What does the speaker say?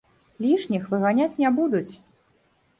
Лішніх выганяць не будуць.